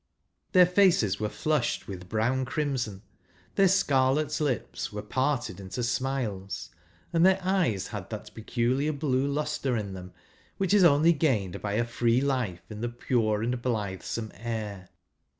Their faces were flushed with brown crimson, their scarlet lips were parted into smiles, and their eyes had that peculiar blue lustre in them, which is only gained by a free life in the pure and blithesome air.